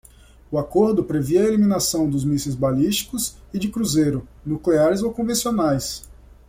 O acordo previa a eliminação dos mísseis balísticos e de cruzeiro, nucleares ou convencionais.